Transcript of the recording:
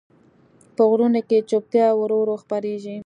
په غرونو کې چوپتیا ورو ورو خپرېږي.